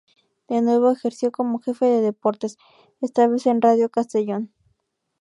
De nuevo ejerció como jefe de deportes, esta vez en Radio Castellón.